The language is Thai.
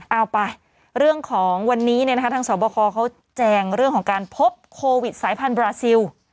เอาไปเรื่องของวันนี้ทางสอบคอเขาแจงเรื่องของการพบโควิดสายพันธบราซิล